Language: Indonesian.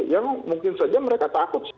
yang mungkin saja mereka takut